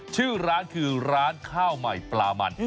ชื่อร้านคือร้านข้าวใหม่ปลามัน